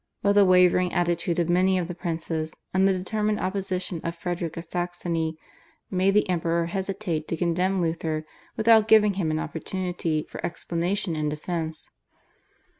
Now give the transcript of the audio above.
But the wavering attitude of many of the princes and the determined opposition of Frederick of Saxony made the Emperor hesitate to condemn Luther without giving him an opportunity for explanation and defence.